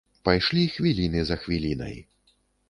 Пайшлі хвіліны за хвілінай.